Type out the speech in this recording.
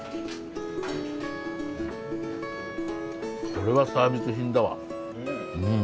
これはサービス品だわうん。